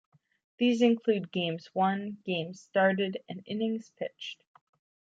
These include games won, games started, and innings pitched.